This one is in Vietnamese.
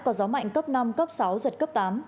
có gió mạnh cấp năm cấp sáu giật cấp tám